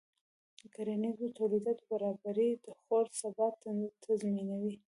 د کرنیزو تولیداتو برابري د خوړو ثبات تضمینوي.